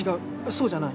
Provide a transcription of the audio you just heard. そうじゃない。